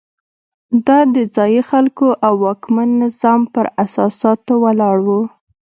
دا د ځايي خلکو او واکمن نظام پر اساساتو ولاړ وو.